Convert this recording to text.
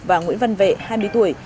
và nguyễn văn vệ hai mươi tuổi